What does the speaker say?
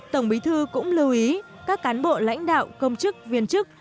tổng bí thư cũng lưu ý các cán bộ lãnh đạo công chức viên chức